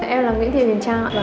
em là nguyễn thị huỳnh trang